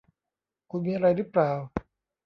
คุณมีอะไรรึเปล่า